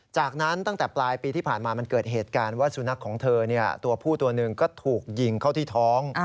จากนั้นตั้งแต่ปลายปีที่ผ่านมามันเกิดเหตุการณ์ว่าสุนัขของเธอตัวผู้ตัวหนึ่งก็ถูกยิงเข้าที่ท้อง